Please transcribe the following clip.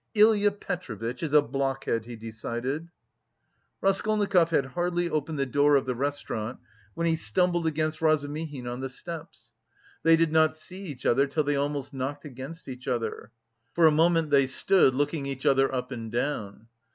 "Ilya Petrovitch is a blockhead," he decided. Raskolnikov had hardly opened the door of the restaurant when he stumbled against Razumihin on the steps. They did not see each other till they almost knocked against each other. For a moment they stood looking each other up and down.